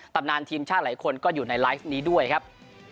ตำนานทีมชาติหลายคนก็อยู่ในไลฟ์นี้ด้วยครับ